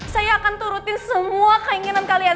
saya akan turutin semua keinginan kalian